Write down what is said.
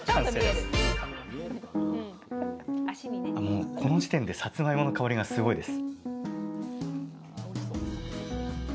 もうこの時点でさつまいもの香りがすごいです。